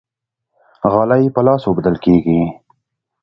غالۍ په لاس اوبدل کیږي.